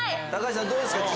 橋さんどうですか？